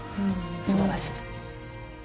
すばらしい。